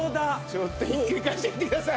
ちょっとひっくり返してみてください。